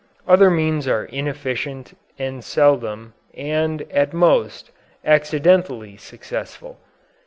Other means are inefficient, and seldom and, at most, accidentally successful.